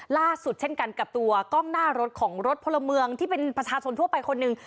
เช่นกันกับตัวกล้องหน้ารถของรถพลเมืองที่เป็นประชาชนทั่วไปคนหนึ่ง